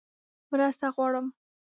_مرسته غواړم!